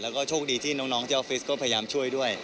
แล้วก็โชคดีที่น้องเจ้าออฟฟิศก็พยายามช่วยด้วย